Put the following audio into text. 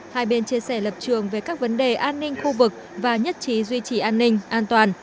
hai bên chia sẻ lập trường về các vấn đề an ninh khu vực và nhất trí duy trì an ninh an toàn